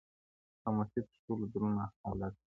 خاموسي تر ټولو دروند حالت دی,